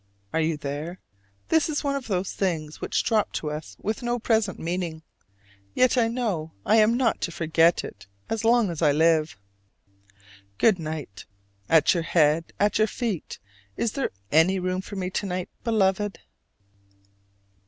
Are you there? This is one of those things which drop to us with no present meaning: yet I know I am not to forget it as long as I live. Good night! At your head, at your feet, is there any room for me to night, Beloved?